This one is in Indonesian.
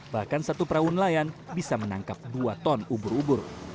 bahkan satu perahu nelayan bisa menangkap dua ton ubur ubur